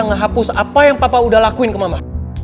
ngehapus apa yang papa udah lakuin ke mama